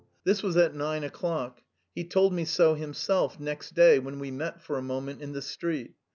This was at nine o'clock. He told me so himself next day when we met for a moment in the street.